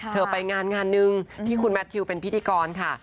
ไปงานงานหนึ่งที่คุณแมททิวเป็นพิธีกรค่ะ